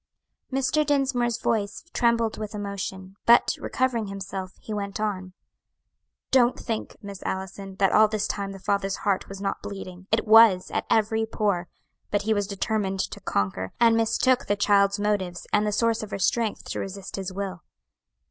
Mr. Dinsmore's voice trembled with emotion, but recovering himself, he went on: "Don't think, Miss Allison, that all this time the father's heart was not bleeding; it was, at every pore; but he was determined to conquer, and mistook the child's motives and the source of her strength to resist his will.